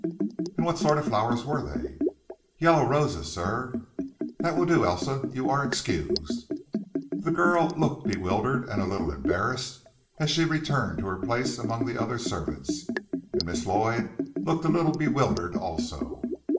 "And what sort of flowers were they?" "Yellow roses, sir." "That will do, Elsa. You are excused." The girl looked bewildered, and a little embarrassed as she returned to her place among the other servants, and Miss Lloyd looked a little bewildered also.